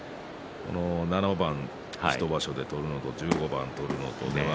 ７番１場所で取るのと１５番取るのは。